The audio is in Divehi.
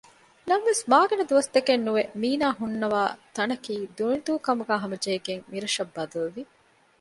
ނަމަވެސް މާގިނަދުވަސްތަކެއް ނުވެ މީނާ ހުންނަވާ ތަނަކީ ދޫނިދޫކަމުގައި ހަމަޖެހިގެން މިރަށަށް ބަދަލުވި